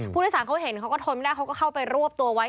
ผู้โดยสารเขาเห็นเขาก็ทนไม่ได้เขาก็เข้าไปรวบตัวไว้